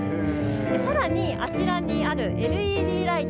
さらにあちらにあるＬＥＤライト。